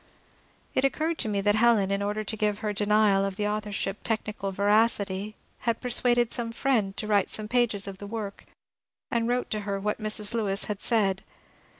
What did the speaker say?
It occurred to me that Helen, in order to give her denial of the authorship technical veracity, had persuaded some friend to write some pages of the work, and wrote to her what Mrs. Lewis had said.